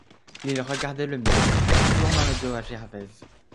Il regardait le mur, tournant le dos à Gervaise.